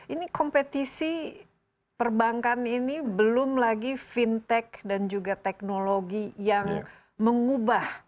ini kompetisi perbankan ini belum lagi fintech dan juga teknologi yang mengubah